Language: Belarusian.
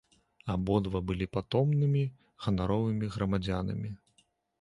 Абодва былі патомнымі ганаровымі грамадзянамі.